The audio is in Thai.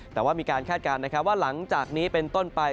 แต่ว่ามีการคาดการณ์นะครับว่าหลังจากนี้เป็นต้นไป